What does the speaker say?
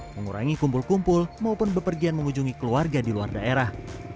mengurangi kumpul kumpul maupun bepergian mengunjungi keluarga di luar daerah